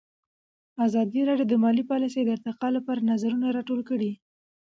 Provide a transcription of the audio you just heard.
ازادي راډیو د مالي پالیسي د ارتقا لپاره نظرونه راټول کړي.